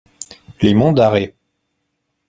Les Monts d'Arrée.